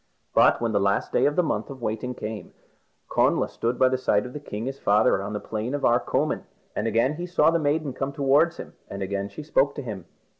But when the last day of the month of waiting came, Connla stood by the side of the king his father on the Plain of Arcomin, and again he saw the maiden come towards him, and again she spoke to him.